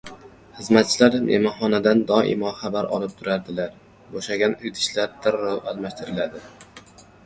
xizmatchilar mehmondan doimo xabar olib turadilar, bo‘shagan idishlar darrov almashtiriladi.